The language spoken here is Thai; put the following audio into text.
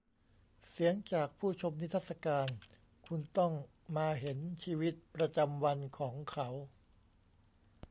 เสียงจากผู้ชมนิทรรศการ : คุณต้องมาเห็นชีวิตประจำวันของเขา